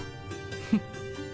フッ。